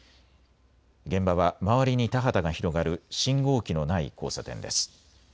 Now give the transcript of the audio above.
現場は周りに田畑が広がる信号機のない交差点です。